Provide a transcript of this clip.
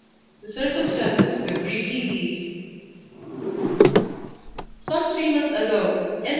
The circumstances were briefly these: Some three months ago M.